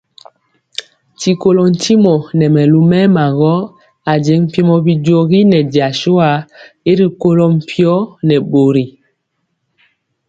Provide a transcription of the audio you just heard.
Ti kolɔ ntimɔ nɛ mɛlu mɛɛma gɔ ajeŋg mpiemɔ bijogi nɛ jasua y rikolɔ mpio nɛ bori.